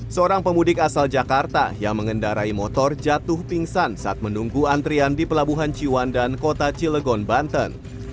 seorang pemudik asal jakarta yang mengendarai motor jatuh pingsan saat menunggu antrian di pelabuhan ciwan dan kota cilegon banten